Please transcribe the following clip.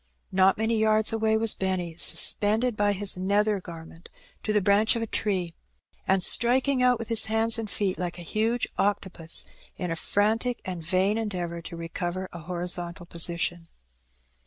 Not many yards away was Benny sus pended by his nether garment to the branch of a tree, and striking out with his hands and feet like a huge octopus in a frantic and vain endeavour to recover a hori zontal position.